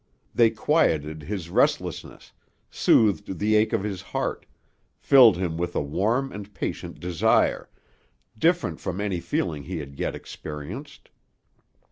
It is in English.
They quieted his restlessness, soothed the ache of his heart, filled him with a warm and patient desire, different from any feeling he had yet experienced.